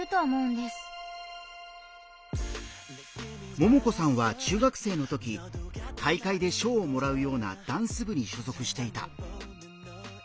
ももこさんは中学生のとき大会で賞をもらうようなダンス部に所属していた。